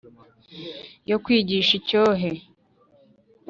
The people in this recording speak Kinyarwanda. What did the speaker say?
Yo kwigisha icyohe